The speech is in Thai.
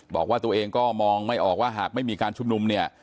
บอกว่าตัวเองก็มองไม่ออกว่าหากไม่มีการชุมนุมเนี่ย